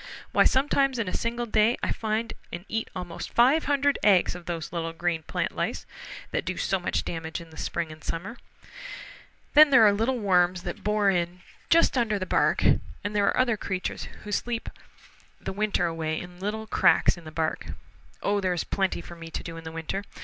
Why, sometimes in a single day I find and eat almost five hundred eggs of those little green plant lice that do so much damage in the spring and summer. Then there are little worms that bore in just under the bark, and there are other creatures who sleep the winter away in little cracks in the bark. Oh, there is plenty for me to do in the winter.